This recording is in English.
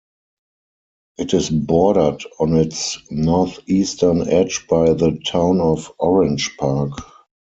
It is bordered on its northeastern edge by the Town of Orange Park.